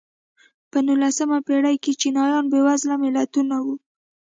په نولسمې پېړۍ کې چینایان بېوزله ملتونه وو.